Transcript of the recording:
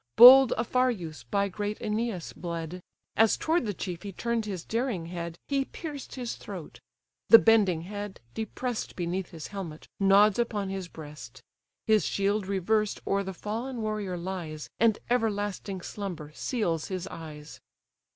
Bold Aphareus by great Æneas bled; As toward the chief he turn'd his daring head, He pierced his throat; the bending head, depress'd Beneath his helmet, nods upon his breast; His shield reversed o'er the fallen warrior lies, And everlasting slumber seals his eyes.